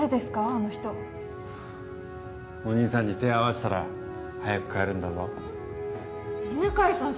あの人お兄さんに手合わせたら早く帰るんだぞ犬飼さん